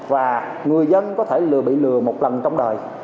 và người dân có thể lừa bị lừa một lần trong đời